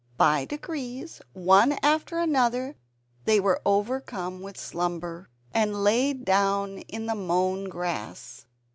By degrees, one after another, they were overcome with slumber, and lay down in the mown grass.